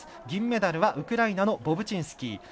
銀メダルはウクライナのボブチンスキー。